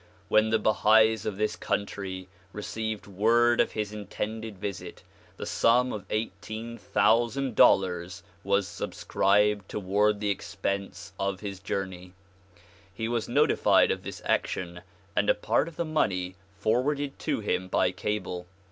When the Bahais of this country re ceived word of his intended visit, the sum of eighteen thousand dollars was subscribed toward the expense of his journey. He was notified of this action and a part of the money forwarded to him by cable.